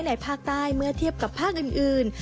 ภาคใต้เมื่อเทียบกับภาคอื่น